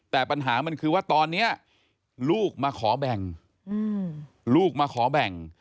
แต่ปัญหามันคือว่าตอนนี้ลูกมาขอแบ่งลูกมาขอแบ่ง